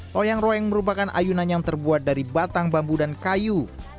toyang royang merupakan ayunan yang terbuat dari batang bambu dan kayu